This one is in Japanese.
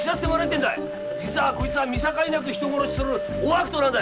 実はこいつは見境なく人殺しをする大悪党なんだ。